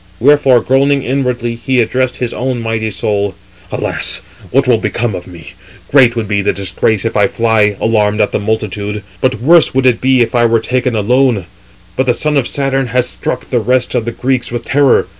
Wherefore, groaning inwardly, he addressed his own mighty soul: "Alas! what will become of me? Great would be the disgrace if I fly, alarmed at the multitude; but worse would it be if I were taken alone: but the son of Saturn hath struck the rest of the Greeks with terror.